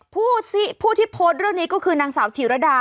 ผู้ที่โพสต์เรื่องนี้ก็คือนางสาวถิรดา